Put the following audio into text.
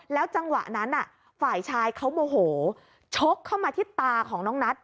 จังหวะนั้นฝ่ายชายเขาโมโหชกเข้ามาที่ตาของน้องนัท